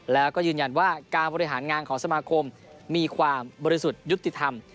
แล้วก็ยืนยันว่าการบริหารงานของสมาคมมีความบริสุทธิ์ยุติธรรม